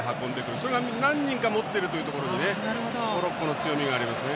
それが何人か持っているというところでモロッコの強みがありますね。